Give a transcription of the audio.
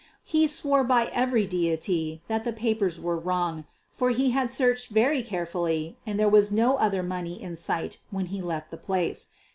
He swore by every deity that the papers were wrong, for he had searched very carefully and there was no other money in sight when he left the place.